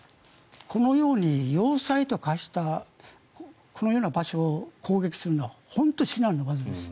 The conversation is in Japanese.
このように要塞と化したこのような場所を攻撃するのは本当に至難の業です。